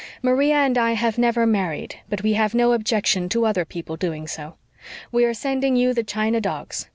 Maria and I have never married, but we have no objection to other people doing so. We are sending you the china dogs.